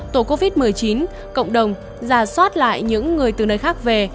tổ covid một mươi chín cộng đồng giả soát lại những người từ nơi khác về